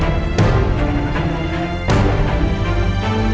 atas kematianmu pak man